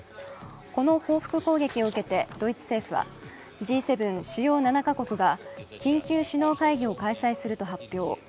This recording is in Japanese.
この報復攻撃を受けてドイツ政府はＧ７＝主要７か国が緊急首脳会議を開催すると発表。